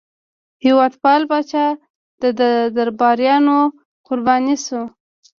هېوادپال پاچا د درباریانو قرباني شو.